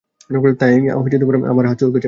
তাই আমার হাত চুলকাচ্ছে।